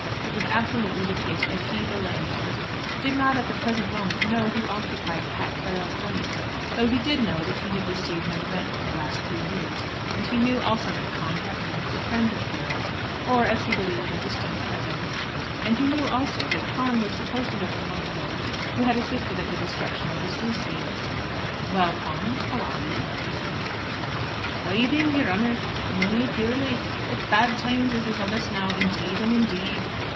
It was absolutely the case that he, the landlord, did not at the present moment know who occupied Pat Carroll's land, though he did know that he had received no rent for the last three years. And he knew also that Con Heffernan was a friend of Carroll's, or, as he believed, a distant cousin. And he knew also that Con was supposed to have been one of those who had assisted at the destruction of the sluice gates. "Well, Con; how are you?" he said. "Why thin, yer honour, I'm only puirly. It's bad times as is on us now, indeed and indeed."